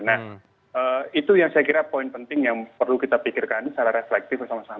nah itu yang saya kira poin penting yang perlu kita pikirkan secara reflektif bersama sama